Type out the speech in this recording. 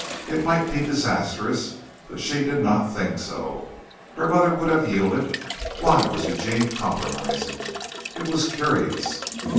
It might be disastrous, but she did not think so. Her mother would have yielded. Why was Eugene compromising? It was curious.